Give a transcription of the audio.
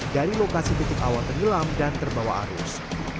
dari lokasi titik awal tenggelam dan terbawa arus